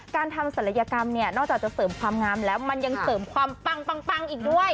การทำศัลยกรรมเนี่ยนอกจากจะเสริมความงามแล้วมันยังเสริมความปังอีกด้วย